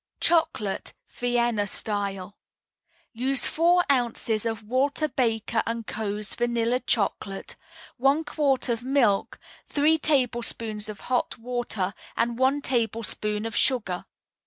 CHOCOLATE, VIENNA STYLE Use four ounces of Walter Baker & Co.'s Vanilla Chocolate, one quart of milk, three tablespoonfuls of hot water, and one tablespoonful of sugar.